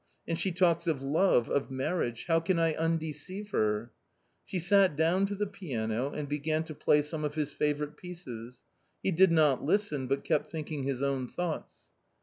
and she talks of love, of marriage. How can I undeceive her !" She sat down to the piano and began to play some of his favourite pieces. He did not listen, but kept thinking his own thoughts.